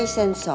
bukan karena apa